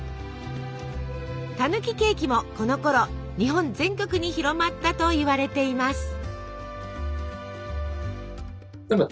たぬきケーキもこのころ日本全国に広まったといわれています。